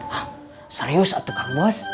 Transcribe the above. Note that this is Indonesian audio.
hah serius atau kan bos